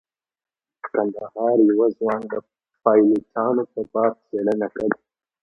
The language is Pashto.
کندهار یوه ځوان د پایلوچانو په باب څیړنه کړې.